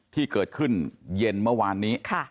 ที่เกิดขึ้นเย็นเมื่อวานนี้